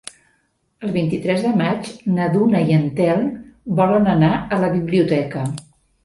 El vint-i-tres de maig na Duna i en Telm volen anar a la biblioteca.